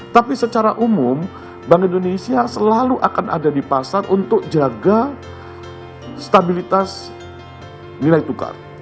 tapi secara umum bank indonesia selalu akan ada di pasar untuk jaga stabilitas nilai tukar